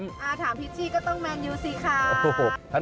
อย่างพี่พอมูลอยู่ข่าว